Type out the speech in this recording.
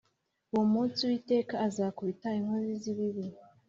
Uwo munsi Uwiteka azakubita inkozi zibibi